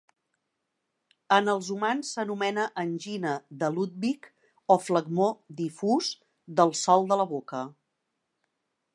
En els humans s'anomena angina de Ludwig o flegmó difús del sòl de la boca.